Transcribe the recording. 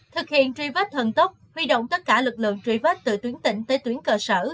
thực hiện truy vết thần tốc huy động tất cả lực lượng truy vết từ tuyến tỉnh tới tuyến cơ sở